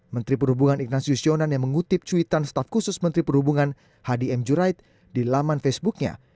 menteri perhubungan ignatius jonan yang mengutip cuitan staf khusus menteri perhubungan hadi m jurait di laman facebooknya